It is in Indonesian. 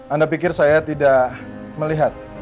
anda pikir saya tidak melihat